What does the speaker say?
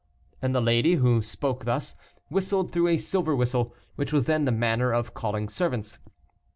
And the lady, who spoke, thus, whistled through a silver whistle, which was then the manner of calling servants.